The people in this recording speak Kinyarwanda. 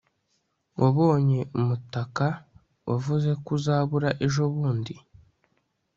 wabonye umutaka wavuze ko uzabura ejobundi